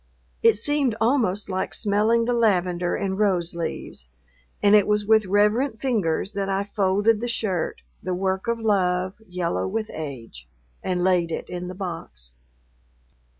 It seemed almost like smelling the lavender and rose leaves, and it was with reverent fingers that I folded the shirt, the work of love, yellow with age, and laid it in the box....